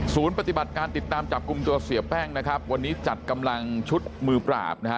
ปฏิบัติการติดตามจับกลุ่มตัวเสียแป้งนะครับวันนี้จัดกำลังชุดมือปราบนะฮะ